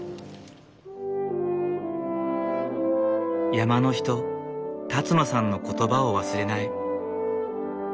山の人辰野さんの言葉を忘れない。